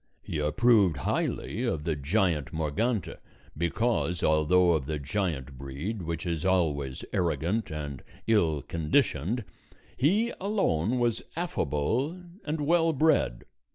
He approved highly of the giant Morgante, because although of the giant breed, which is always arrogant and ill conditioned, he alone was affable and well bred.